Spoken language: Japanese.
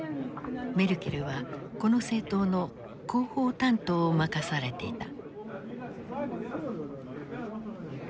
メルケルはこの政党の広報担当を任されていた。